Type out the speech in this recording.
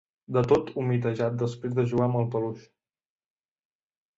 Del tot humitejat després de jugar amb el peluix.